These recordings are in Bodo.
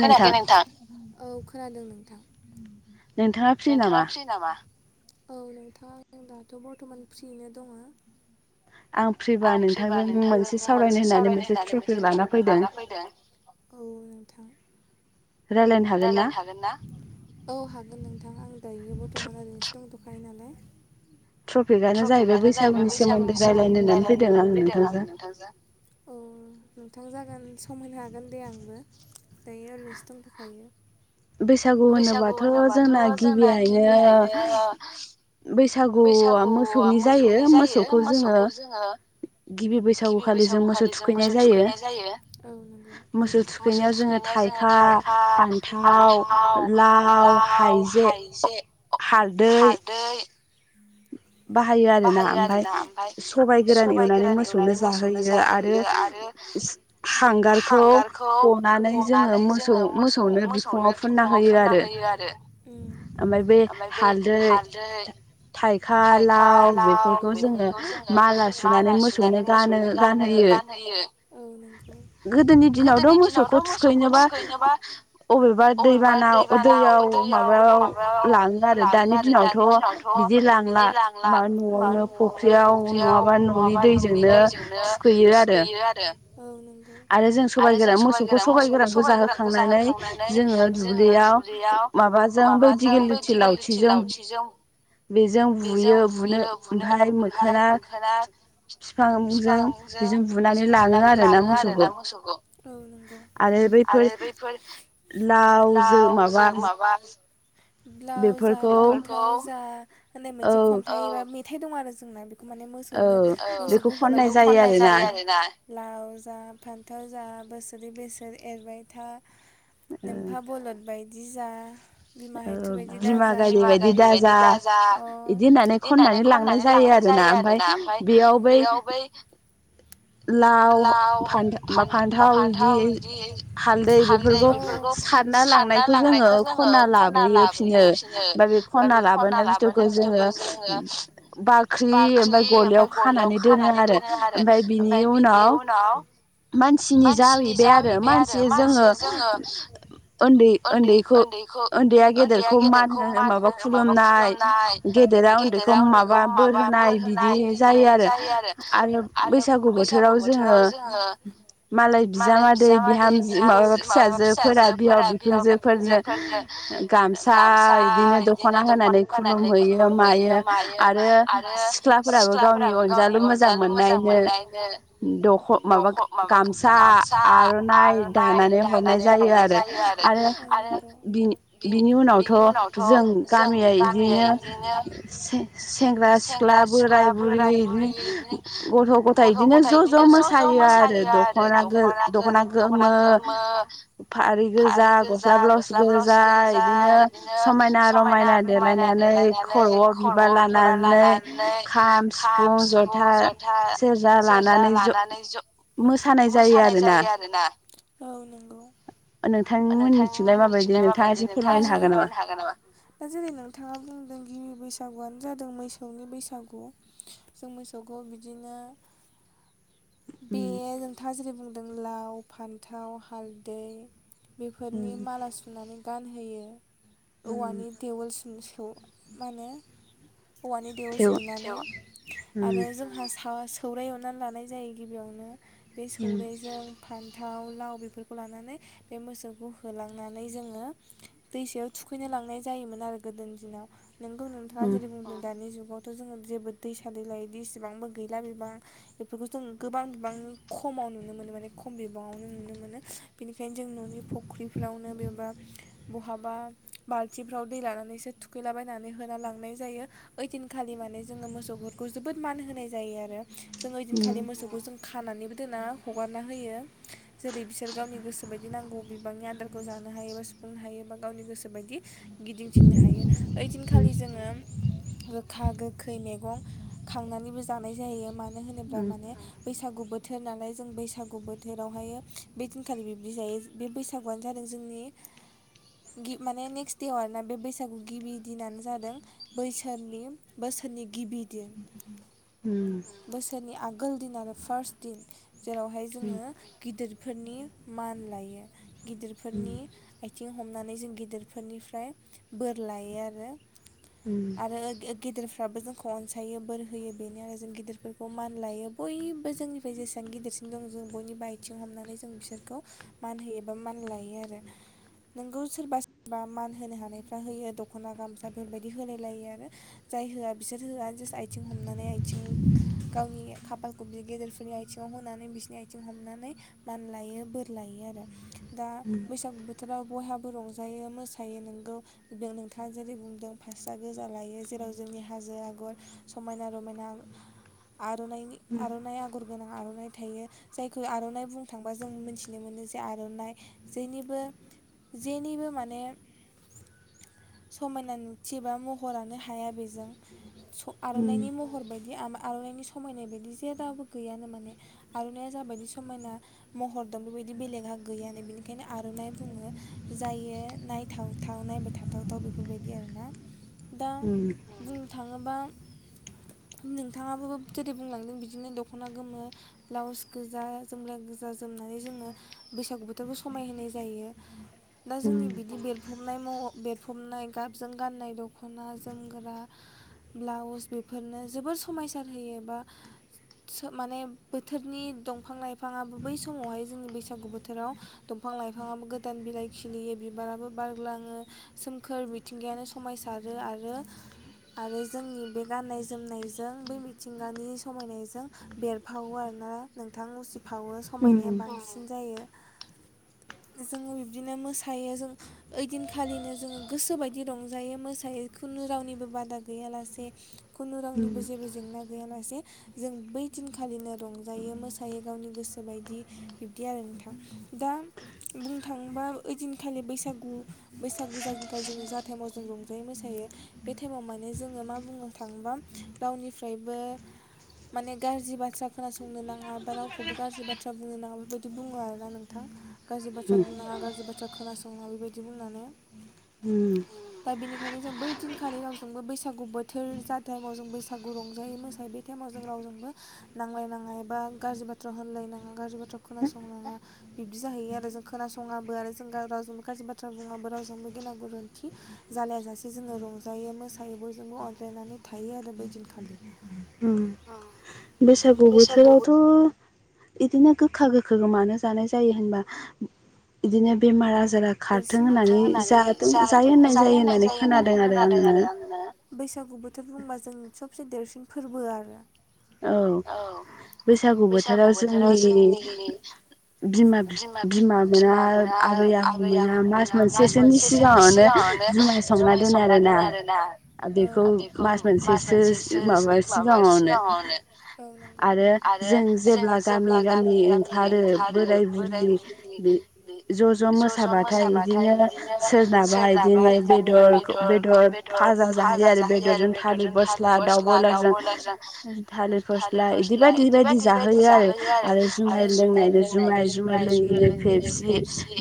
खोनायाखै नोंथां? औ खोनादों नोंथां, नोंथांङा फ्रि नामा? औ नोंथां आं दाथ' बर्थ'मान फ्रिनो दङो, आं फ्रिभा नोंथांजों मोनसे सावरायनो होननानै मोनसे ट्रिफि लाना फैदों, [inaudible] नोंथां रायलायनो हागोन ना? औ भागों, हागोन नोंथां आं दायो बर्थ'मान ओरैनोसो दंथ'खायो नालाय, ट्रफिकआनो जाहैबाय बैसागुनि सोमोन्दै रायलायनो होननानै होनानै फैदों आ नोंथांजों ओ नोंथां जागोन सम होननो हागोन दे आंबो दायो ओरैनोसो दंथ'खायो, बैसागु होनोबाथ' जोंना गिबियैनो बैसागुआ मोसौनि जायो मोसौखौ जोंङो, [inaudible] गिबि बैसागुखालि जों मोसौ थुखैनाय जायो औ नंगौ मोसौ थुखैनायाव जोंङो जोंङो थाइखा, फान्थाव, लाव, हाइजें, हालदै, बाहायो आरोना ओमफ्राय सबाय गोरान एवनानै मोसौनो जाहोयो, आरो हांगारखौ ग'नाव नानै जोंङो मो-मोसौनो बिखुंङाव फुनना होयो, आरो ओमफ्राय बे हालदै था-थाइखा, लाव बेफोरखौ जोंङो, माला सुनानै मोसौनो गान गानहोयो, गोदोनि दिनाव थ' मोसौखौ थुखैनोबा अबेबा दैबाना दैयाव माबायाव लांङो आरो दानि दिनावथ' बिदि लां लांला न'आवनो फुख्रियाव नंङाबा न'नि दैजोंनो थुखैयो आरो आरो जों सबाइ गो मोसौ सबाय गोरानखो जाहो खांनानै जोंङो दुब्लियाव माबाजों बै बि दिगिलिथि लावथिजों बेजों बुयो, बुनो ओमफाय मोखोना मोखोना बिफांजों बेजों बुनानै लांङो, आरो ना मोसौखौ ओ नोंगौ आरो बैफोर लावजों माबा लाउ जा फाथो जा होननाय मोनसे खन्थाइ बा मेथाइ दं आरो जोंना माने मोसौनो मोसौ होलायखौ खननाय जायो आरोना लाव जा फान्थाव जा बोसोरै बोसोर एरबाय था नोफा बलद बायदि जा बिमा गायद बायदि दाजा बिदि होननानै खननानै लांनाय जायो आरोना ओमफ्राय बेयाव बै [unintelligible] लाव फान्थाव बिदि हालदै बेफोरखौ सा सारना लांनायखौ जोङो खना लाबोयो फिनो ओमफ्राय बे खना लाबोनाय बुस्थुखौ जोङो जोङो बाख्रि ओमफाय गलियाव खानानै दोनो आरो ओमफाय बिनि उनाव मानसिनि जाहैबाय आरो मानसि जोङो उन्दै उन्दैखौ उन्दैया गेदेरखौ मान हो माबा खुलुमनाय गेदेरा उन्दैखौ माबा बोर होनाय बिदि जायो आरो आरो बैसागु बोथोराव जोङो मालाय बिजामादै बिहामजो माबाबा फिसाजोफोरा बिहाव बिखुनजोफोरनो गामसा बिदिनो दखना होनानै खुलुम हैैयो मायो आरो सिख्लाफोराबो गावनि अनजालु मोजां मोननाय मोननानो दख' माबा गामसा आर'नाइ दानानै हरनाय जायो आरो। आरो बि-बिनि उनावथ' जों गामिया बिदिनो सेंग्रा सिख्ला बोराय बुरि इदिनो गथ' गथाय इदिनो ज' ज' मोसायो आरो दख'ना दख'ना गोमो फारि गोजा गस्ला ब्लाउस गोजा बिदिनो समायना रमायना देलायनानै नानै खर'आव बिबार लानानै खाम सिफुं जथा सेरजा लानानै ज' मोसानाय जायो आरोना नोंथांनिमोननिथिंलाय माबायदि नोंथाङा एसे फोरमायनो हागोन नामा? दा जेरै नोंथाङा बुंदों गिबि बैसाग सागुआनो जादों मोसौनि बैसागु जों मोसौखौ बिदिनो बे नोंथाङा जेरै बुंदों लाव फान्थाव हालदै बेफोरनि माला सुनानै गानहोयो औवानि देवोल स थ मा होनो औवानि देयाव सैनानैनानै आरो जोंहा सौराय अननानै लानाय जायो। गिबियावनो बे सौरायजों फान थाव लाव बेफोरखौ लानानै बे मोसौखौ होलांनानै जोङो दैसायाव थुखैनो लांनाय जायोमोन आरो गोदोनि दिनाव नोंगौ नोंथाङा जेरै बुंदों दानि जुगाव थ' जोङो जेबो दैसा दैलाय बिसिबांबो गैला बिबां बेफोरखौ जों गोबां बिबां खमाव नुनो मोनो माने खम बिबाङावनो नुनो मोनो बेनिखायनो जों न'नि फुख्रि फोरावनो बेबा बहाबा बाल्थिफ्राव दै लानानैसो थुखैलाबायनानै होना लांनाय जायो ऐइनखालि मान जो मोफोरखौ जोबोद मान होनाय जायो आरो जों ओइनखालि मोसौखौ खानानैबो दोना हगारना होयो जेरै बिसोर गावनि गोसो बायदि नांगौ बिबांनि आदारखौ जानो सुनो हायो बा सुफुंनो हायो बा गावनि गोसो बायदि गिदिंथिंनो हायो ओइदिनखालि जोङो गोखा गोखै मैगं खांनानैबो जानाय जायो मानो होनोब्ला माने बैसागु बोथोर नालाय जों बैसागु बोथोरावहायो बे दिनखालि बिब्दि जायो बे बैसागुआनो जादों ज जोंनि माने नेक्स्ट देव आरोना बे बैसागु गिबि दिनानो जादों बैसोरनि बोसोर बोसोरनि गिबि दिन बोसोरनि आगोल दिन आरो फार्स्ट दिन जेरावहाय जोङो गिदिरफोरनि मान लायो गिदिरफोरनिथि थिं हमनानै जों गिदिरफोरनिफ्राय बोर लायो आरो आरो गो गेदेरफो- फ्राबो जोंखौ अनसायो बोर होयो बेनो आरो जों गिदिरफोरखौ मान लायो बय- बो जोंनिफ्राय जेसां गिदिरसिन दं जों बयनिबो आयथिं हमनानै जों बिसोरखौ मान होयो एबा मान लायो आरो आरोे नोंगौ सोरबा सोबा मान होनो हानायफ्रा होयो दख'ना गामसा बे बायदि होलाय लायो आरो जाय होआ बिसोर होआ जास आयथिं हमनानै आथिं गावनि खाफालखौ बि गेदेरफोरनि आयथिङाव होनानै बिसोरनि आयथिं हमनानै मानलायो बोर लायो आरो दा बैसागु बोथोराव बयहाबो रंजायो मोसायो नोंगौ नों नोंथाङा जेरै बुंदों फार्स्टआ गोजा लायो जेराव जों- नि हाजो आगर समायना रमायना आर'नायनि आर'न गोनां आर'नाइ थायो जायखौ आर'नाइ बुंनो थांबा जों मिथिनो मोनो जे आर'नाइ जेनिबो जेनिबो माने समायना नुथि बा महरानो हाया बेजों स' आर'नाइनि महर बायदि आम आर'नाइनि समायनाय बायदि जेरावबो गैयानो माने आर'नाइया जाबायदि समायना महर दं बेबायदि बेलेगहा गैयानो बिनि ओंखायनो आर'नाइ बुङो जायो नायथावथाव नायबाय थाथावथाव बेफोरबायदि आरोना दा बुंनो थाङोबा नोंथाङाबो जेरै बुंलांदों बिदि बिदिनो दख'ना गोमो ब्लाउस गोजा जोमला गोजा जोमनानै जोङो बैसागु बोथोरखौ स- मायहोनाय जायो दा जोंनि बिदि बेलफ्रुबनाय महर बेलफ्रु- हनाय गाबजों गाननाय दख'ना जोमग्रा ब्लाउस बेफोरनो जोबोर समाय- सार होयो बा [inaudible] खोब माने बोथोरनि दंफां लाइफाङो बै समावहाय जोंनि बैसागु बोथोराव दंफां लाइफा- ङाबो गोदान बिलाइ खिलियो बिबाराबो बारग्लाङो सोमखोर मिथिंगायानो समायसारो आ- रो आरो जोंनि बे गाननाय जोमनायजों बै मिथिंगानि समायनायजों बेरफावो आरोना नोंथां उसिफावो समायनाया बांसिन जायो [inaudible] जोङो बिब्दिनो मोसायो जों ओइदिनखालिनो जों गोसोबायदि रंजायो मोसायो बे खुनु रावनिबो बादा गैयालासे खुनु रावनिबो जेबो जेंना गैयालासे जों बै दिनखालिनो रंजायो मोसायो गावनि गोसो बायदि बिब्दि आरो नोंथां दा बुंनो थाङोबा ओइदिनखालि बैसागु बैसागु जाग्लिथायजों जाथाय माव जों रंजायो मोस- ायो बे टाइमाव माने जोङो मा बुंनो थाङोबा गावनिफ्रायबो माने गाज्रि बाथ्रा खोनासंनो नाङा बा रावखौबो गाज्रि बाथ्रा बाथ्रा बुंनो नाङा बेबायदि बुङो आरो ना नोंथां गाज्रि बाथ्रा बुंनाङा गाज्रि बाथ्रा खोनास- ङाल बेबायदि बुंनानै उम दा बिनिखायनो जों बै दिनखालि रावजोंबो बैसागु बोथोर जा टाइमाव जों बैसागु रंजायो मोसा- नाय बे टाइमाव जों रावजोंबो नांलायनाङा एबा गाज्रि बाथ्रा होनलायनाङा गाज्रि बाथ्रा खोनासंनाङा बिब्दि जाहैयो आरो जों खोनासङाबो आरो जों रावजोंबो गाज्रि बाथ्रा बुङाबो रावजोंबो गेना गोरोन्थि जालायाजासे जोङो रंजायो मोसायो बयजोंबो अनज्लायनानै थायो आरो बै दिनखालि उम बैसागु बोथोरावथ' इदिनो गोखा गोखैखो मानो जानाय जायो होनबा इदिनो बेमार आजा देरसिन जाथों होननानै जाहोथों जायो होननाय जायो होननानै खोनादों आरो आङो ना बैसागु बो थोर बुंबा जोंनि सबसे देरसिन फोरबो आरो औ बैसागु बोथोराव जोंनि बिमा बि-बिमाफोरा आबै आबौ मोना मास मोनसेसोनि सिगाङावनो जुमाय संना दोनो आरोना। आ बेखौ मास मोनसेसो ओ माबा सिगाङावनो आरो जों जेब्ला गामि गामि ओंखारो बोराय बुरि बे ज' ज' मोसाबाथाय इदिनो सोरनाबा इदिनो बेदर बेदद फाजा जा यो आरो बेदरजों थालिर फस्ला दाउ ब्रयलारजों थालिर फस ला इदि बायदि बायदि जाहोयो आरो आरो जुमाय लोंनायनो जुमाय जुमाय लोंङैनो फेप फेपसि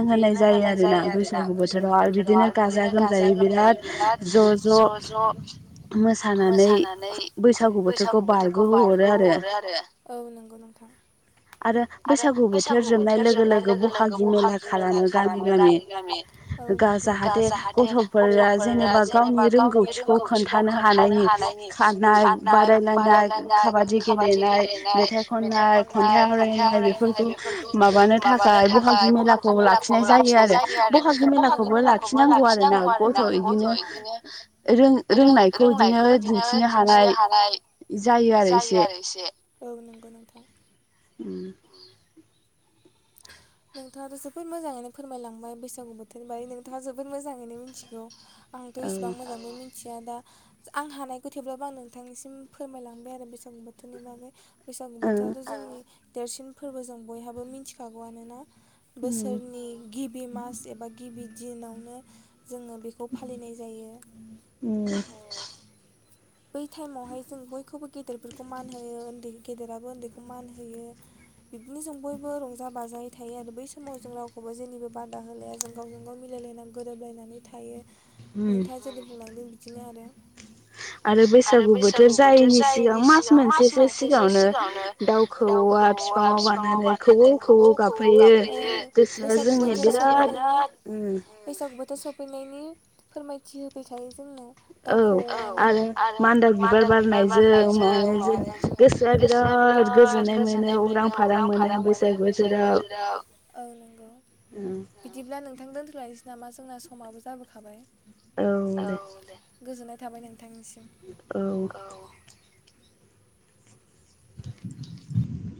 बिदि लोंहोनाय जायो आरोना बैसागु बोथोराव आरो बिदिनो गाजा गोमजायै बिराद ज' ज' मोसानानै बैसागु बोथोरखौ बार बारग' हरो आरो औ नंगौ नोंथां। आरो बैसागु बोथोर जोबनाय लोगो लोगो बहागि बहागि मेला खालामो गामि गामि औ नंगौ गा जाहाथे गथ'फोरा जेन नेबा गावनि रोंगौथिखौ खोन्थानो हानायनि खारनाय बादायलायनाय खाबा दि गेलेनाय मेथाइ खननाय खन्थाइ आवरायनाय बेफोरखौ माबानो था खाय बहागि मेलाखौ लाखिनाय जायो आरो बहागि मेलाखौबो लाखिनांगौ आरोना गथ' इदि नो रों- रोंनायखौ इदिनो दिन्थिनो हानाय जायो आरो इसे औ नंगौ नोंथां। उम नोंथाङाथ' जोबोद मोजाङैनो फोरमायलांबाय बैसागु बोथोरनि बारै नोंथाङा जोबोद मोजाङैनो मोनथिगौ। आंथ' इसेबां मोजांबो मिन्थि या दा आं हानायखौ थेवब्लाबो आं नोंथांनिसिम फोरमायलांबाय आरो बैसागु बोथोरनि बागै। बैसागु बोथोराथ' जोंनि देरसिन फोरबो जों बयहाबो मिथिखागौआनोना। बोसोरनि गिबि मास एबा गिबि दिनावनो जोङो बेखौ फालिनाय जायो। बै टाइमावहाय जों बयखौबो गेदेरफोरखौ मान होयो उन्दै गेदेराबो उन्दैखौ मान होयो। बिदिनो जों बयबो रंजा बाजायै थायो आरो बै समाव जों रावखौबो जेनिबो बादा होलाया जों गावजों गाव मिलाय लायना गोरोबलायनानै थायो नोंथाङा जेरै बुंलांदों बिदिनो आरो। आरो बैसागु बोथोर जायैनि सिगां मास मोनसेसो सिगाङावनो दाउखौवौआ फिफाङाव बानानै खौवौ खौवौ गाबफैयो गोसोआ जोंनि बिराद ओम बैसागु बोथोर सफैनायनि फोरमायथि होबाय थायो जोंनो। औ आरो मान्दा बिबार बारनायजों मानो जों गोसोआ बिराद गोजोननाय मोनो उरां उरां फारां मोनो बैसाग बोथोराव औ नोंगौ। बिदिब्ला नोंथां दोनथ'लाय नोसै नामा जोंना समाबो जाबोखाबाय औ दे गोजोननाय थाबाय नोंथांनिसिम। औ [inaudible]